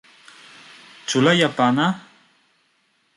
Ĉu la japana?